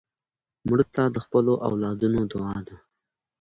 مړه ته د خپلو اولادونو دعا ده